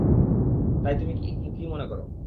তাই, তুমি কি মনে করো?